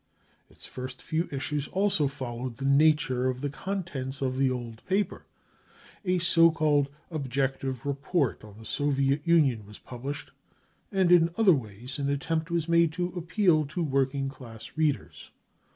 Its first few issues also followed the nature of the contents of the old paper ; a so called objective report on the Soviet Union was pub lished, and in other ways an attempt was made to appeal to working class readers.